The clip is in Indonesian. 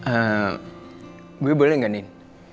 eee gue boleh nggak nin